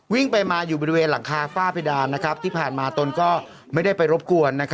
วิ่งไปมาอยู่บริเวณหลังคาฝ้าเพดานที่ผ่านมาตนก็ไม่ได้ไปรบกวน